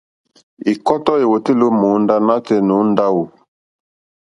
Ɛ̀kɔ́tɔ́ èwòtélì ó mòóndá nǎtɛ̀ɛ̀ nǒ ndáwù.